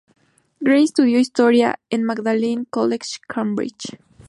Grey estudió historia en Magdalene College, Cambridge.